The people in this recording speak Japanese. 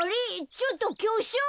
ちょっときょしょう。